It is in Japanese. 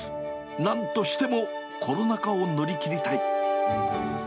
なんとしてもコロナ禍を乗り切りたい。